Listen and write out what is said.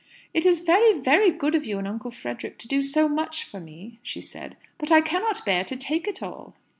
"It's very, very good of you and Uncle Frederick to do so much for me," she said; "but I can't bear to take it all."